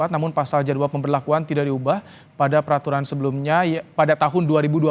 namun pasal jadwal pemberlakuan tidak diubah pada peraturan sebelumnya pada tahun dua ribu dua puluh